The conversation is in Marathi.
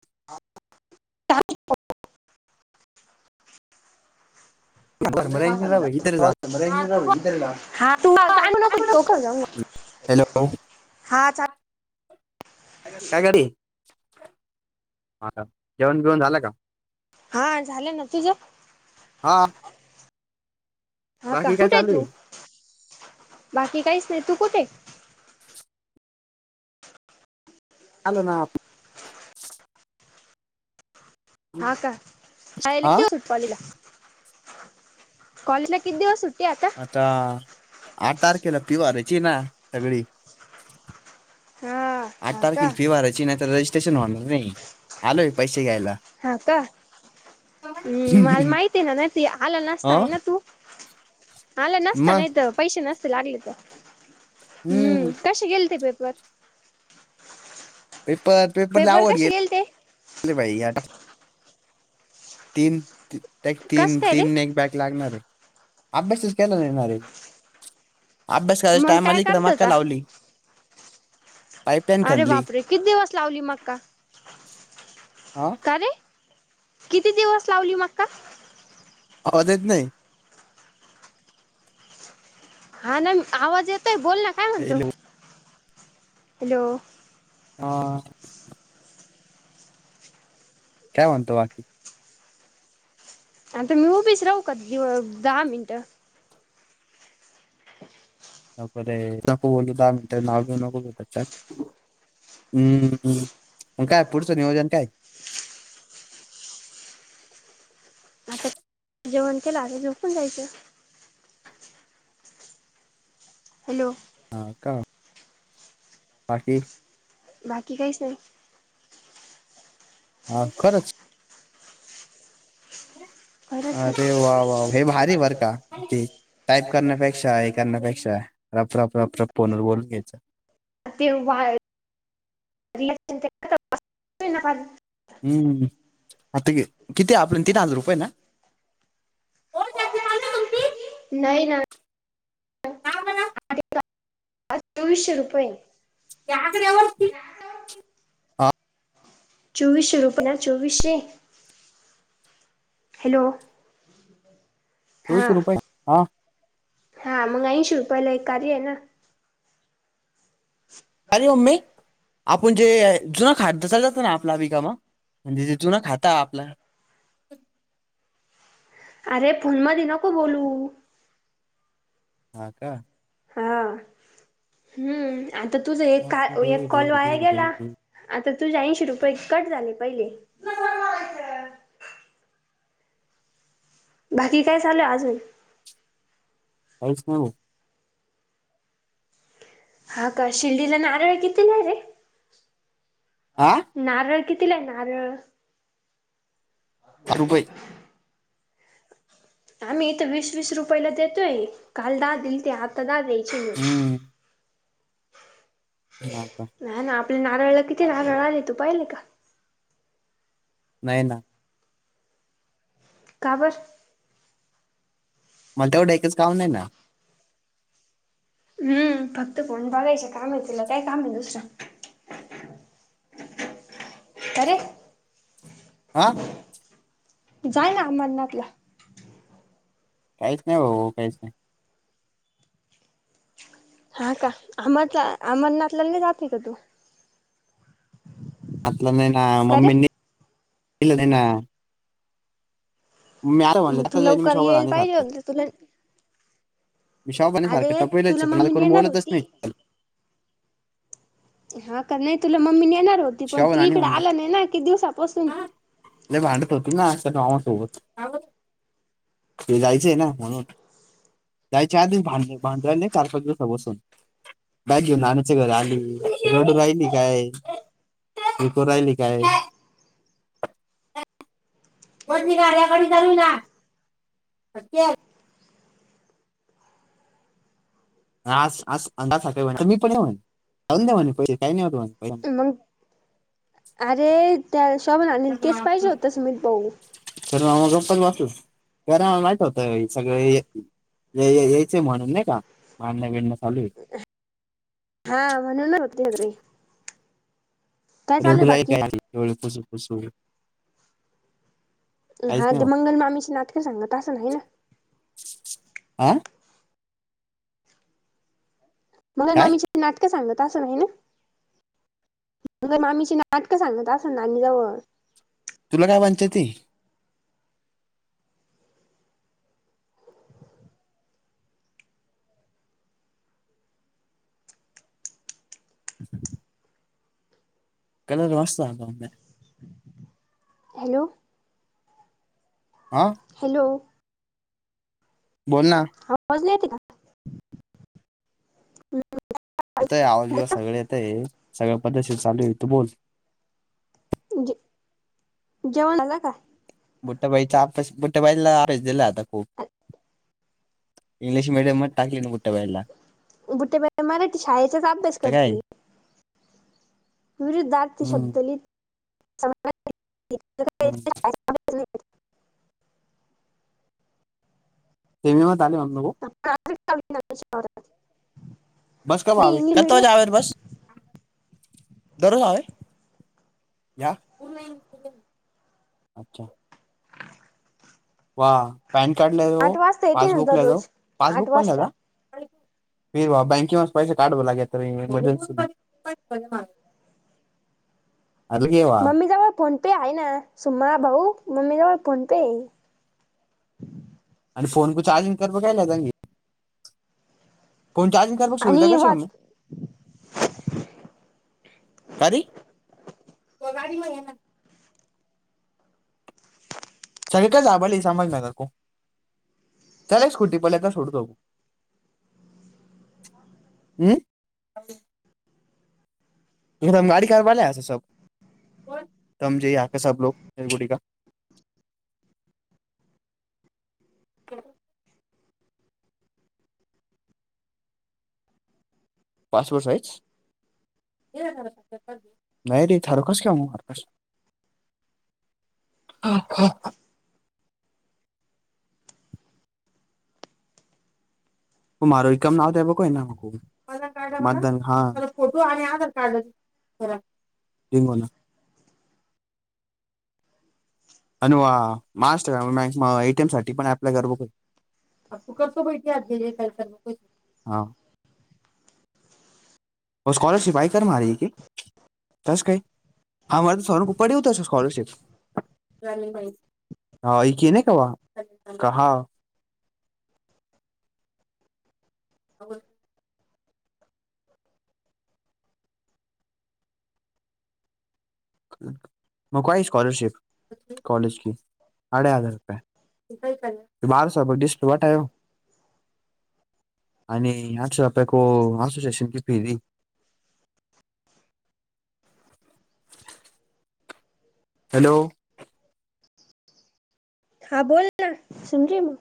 [unintelligible] [unintelligible] इतर जा काय हा तू बघ म्हणू, काय म्हणत हॅलो [unintelligible] हा. चा काय गडी, [inaudible] आता जेवणं करून झालं का? हा, झालं नां तुझं? हा [inaudible] [inaudible] हा, का. बाकी काय कुठंय चालू आहे तू? [inaudible] बाकी काहीचं नाही, तू कुठंय? आलोना. हा, का? शालेला एक हा दिवस पालीला. कॉलेजला, किती दिवस सुट्टी आहे आता? आता, आठ तारखेला पिव [unintelligible] यची ना? सगळी. हा [inaudible] आठ हा तारखे का फी भरायची, नाही तर रजिस्ट्रेशन होणार नाही. आलोय पैसे घ्यायला. हा. का. ह्म.. मला माहिती आहे ना, [unintelligible] आला हा नसताय ना तू? आला नसता ना मग इथं, पैशे नसते लागलेइथं. हम्म ह्म.. कशें गेलतें पेपर? पेपर, पेपर लयं आवघडं कसे गेल गेले ते ले बाई. या, टाक. [inaudible] तीन. ती कस एक-तीन. काय रे तीन-एक बॅग लागणारयं. आभ्यासच केला नाहीणा, रे. आभ्यास करायच्या मग काय टायमाला इकडं करत मग कां होता लावली? [inaudible] पाईपलाईन अरे खणली बापरें! कितदिंवस लावली मक्का? आ, का रे, [inaudible] किती दिवस लावली मगका. आवाज येत नाही. हा नाही आवाज येतोय, बोल ना, काय म्हणतो? Hello [inaudible] hello. आ, काय म्हणतो? बाकी. आणिता, मी उभीच राहू का? दहा मिनिटं. नकोरे, नको बोलू, दहा मिनटं नाव घेऊ नको. घेच्यात हम्म, काय पुढचं नियोजन काय? आता जेवण केलं आहे, झोपून जायचं. हॅलो, हा का बाकी, बाकी, कायस नाही. हा, खरंच अरे, खरंच वा वाह, हे भारी आहे. बर का ती टाईप करण्यापेक्षा, हे करण्यापेक्षा, रप -रप -रप -रप फोनवर बोलून घ्यायचं. ते पाय [unintelligible] वाश, हम्म, [inaudible] आता किती? आपल्या तीन हजार रुपये ना. ओ, लाईट चालू हाय तुमची, नाही ना? हा, बोला. चोवीसशे रुपये. त्या, आकडयावरती. चोवीसशे रुपन चोवीसशे. [inaudible] हॅलो, [inaudible] चोवीस हा, रुपये हा [inaudible] हा मग ऐशी रुपयला एक कार्य आहे ना. ह अरे ममे, आपण जे जुनां खातसा जातं ना, आपला, बिका मग म्हणजे जुन खाता आपला. अरे, फोनमध्ये नको बोलू. हा, का. हा हम्म, आता तुझ अरे एक-का- एक रे कॉल रे वाया रे गेला. रे. आता तुझ्या ऐंशी रुपये कट झाले, पहिले. काहीच बाकी, काय चालू अजून? काऐस ना हा का शिर्डीला नारळ कितीला रे आा नारळ कितीला आहे नारळ फारुपई आम्ही इथं वीस वीस रुपयाला देतोय काल दा देल ते आता दा देल अ- हम्म अ हा का नाही ना, आपल्या नारळाला किती नारळ आले तू पाहिले का? नाही ना. का, बर. मला तेवढ, एकच काम नाही ना. हम्म, फक्त फोन बघायचे काम आहे तुला काय काम आहे दुसरं कायरे. आ जाय ना, आमरनातला. काहीच नाही, भाऊ काहीच नाही. हा का, अमरला अमरनाथला नाही जात, नाही का तू? आत यान ना, का मम्मी रे न दिल नाही ना? मी, अर म्हणलं, मग तू त्याच्या मी लवकर सोबत यायला आणि पाहिजे सारखं. होत तुला मी शॉपाने सारखे अरे टपवलं तुला पण मला मम्मी करून नेणार बोलतच नाही होती. हा का नाही तुला मम्मी नेणार होती पण तू शोभा आणि इकडे म्हणला आलं नाही ना की दिवसापासून नाही भड करती ना भावासोबत ते जायचंय ना म्हणून जायचे आ भां भांड नाही चार पाच दिवसा बसून बॅग घेऊन नाण्याच्या घर आली रोड राहिली काय त कराहिली काय कोणती ग्याकडे चालू ना आा मी पण येऊनऊ दे पैसे काही नाहीव प मग अरे त्या शोभून आणलेल तेच पाहिजे होतस मी बह तर म मग गप्पत बसूस कराला माहित होतं सगळ यायचंय म्हणून नाही का भांडणं बीन चालू हा म्हण न होते तरी रडू आहे बाकी कायवळसू फस हा ते मंगल मामीची नाटक सांगत असं नाही ना आं मग काय म्ी नाटकं सांगत तसं आहे ना म मामीची ना नाटकं सांग ना तसंजवळ तुला काय म्हणत्याती अच् कलर मस्त आताे हॅलो आा हॅलो. बोल ना. आवाज नाही येतंय का? येतय. आवाज - बिवाज सगळे येतंय. सगळ पद्धतशिर चालूय. तू बोल. मंजे, जेवण झाला का? बुट्टबाईचा आपेस, बुट्टबाईला आपेस दिला आता खूप. इंग्लिश मेडियम म टाकली न बुटयाबाईला. गुटेबाई, मराठी शाळेचाच अभ्यास तर काय करती. विरुद्धार्थ हम्म शब्द लिही [unintelligible] हम्म. [unintelligible] [unintelligible] [unintelligible] बस कब नाही आवे. इंग्लिश कतावा मीडियम जावेर बस. दररोज आवे. या [unintelligible] अच्छा. वा! पॅन कार्ड ला जाव, आठ वाजता येते ना पासबुक ला जाव, दररोज आठ पासबुक पण ला वाजता जा. फिर भा, बँके म पैसे काढवं लागे तर, एमर्जन्सी. [unintelligible] [inaudible] वाह मम्मीजवळ फोनपे आहे ना. सुमा भाऊ, मम्मी जवळ फोन पेय. आणि फोन को चार्जिंग कर बघला गंगे. फोन चार्जिंग तर मग सुविधा आणि कशी वात [unintelligible] कारी? तो गाडी म याना. [unintelligible] संभाज नगर को. चालय स्कुटी पल्या दा सोडतो. अं. म गाडी कारवाले आ सब. कोण? तम जे आ का सब लोग गुटी का. [unintelligible] Passport size. [unintelligible] [unintelligible] [unintelligible] मतदान कार्ड. मतदान. फोटो आणि आधार कार्ड. [unintelligible] ना. अनु वा. मास् [unintelligible] एटी एम साठी पण अप्लाय कर [unintelligible] [unintelligible] हो स्कॉलरशिप आई कर म आ र आहे की. तस काही. आम्हा तर सर् खप पडेे ऊतस स्कॉलरशिप. [unintelligible] कहाँ? [unintelligible] [inaudible] मकवाई स्कॉलरशिप. कॉलेज की. आढा हजार रुपये. [unintelligible] आणि आठच तपय को. आठ सो स्टेशन की फी दी. हॅलो. हा बोल ना. समजीम.